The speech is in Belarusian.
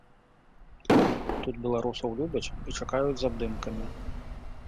Тут беларусаў любяць і чакаюць з абдымкамі.